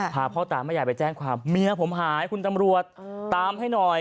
พ่อตาแม่ยายไปแจ้งความเมียผมหายคุณตำรวจตามให้หน่อย